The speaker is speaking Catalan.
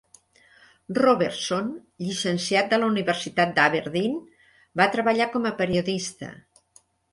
Robertson, llicenciat de la Universitat d'Aberdeen, va treballar com a periodista.